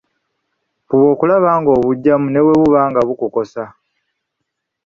Fuba okulaba ng’obugyamu ne bwe buba nga bukukosa.